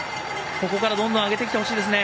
ここからどんどん上げてきてほしいですね。